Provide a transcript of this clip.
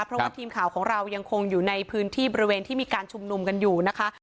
เพราะว่าทีมข่าวของเรายังคงอยู่ในพื้นที่บริเวณที่มีการชุมนุมกันอยู่นะคะ